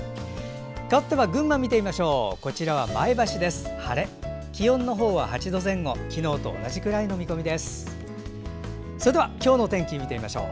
かわっては群馬を見てみましょう。